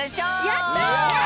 やった！